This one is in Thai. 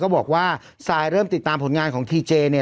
บอกว่าซายเริ่มติดตามผลงานของทีเจเนี่ย